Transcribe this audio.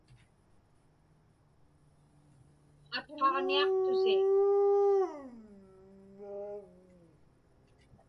Atqaġniaqtusi.